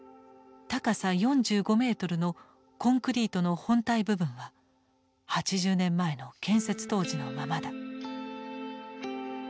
高さ４５メートルのコンクリートの本体部分は８０年前の建設当時のままだ。